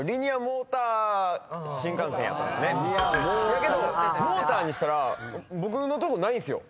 やけど「モーター」にしたら僕のとこないんすよ。